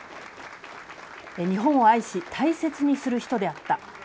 日本を愛し大切にする人であった。